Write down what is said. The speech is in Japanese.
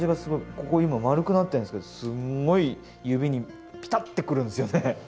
ここ今丸くなってるんですけどすごい指にピタッてくるんですよね。